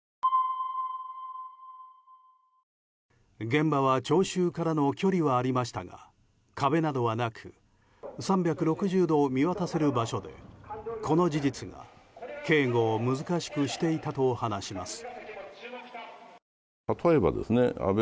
現場は聴衆からの距離はありましたが壁などはなく３６０度見渡せる場所でこの事実が警護を難しくしていたと話します。